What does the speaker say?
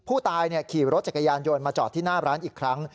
ผู้ตายขี่รถจักรยานยนต์มาจอดที่หน้าร้านอีกครั้ง